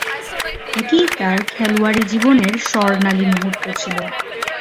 এটিই তার খেলোয়াড়ী জীবনের স্বর্ণালী মুহুর্ত ছিল।